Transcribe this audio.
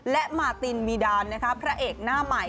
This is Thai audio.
และมาตินมีดานพระเอกหน้าใหม่